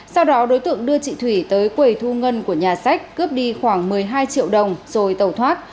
sau đó đối tượng đưa chị thủy tới quầy thu ngân của nhà sách cướp đi khoảng một mươi hai triệu đồng rồi tẩu thoát